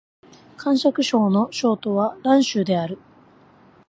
甘粛省の省都は蘭州である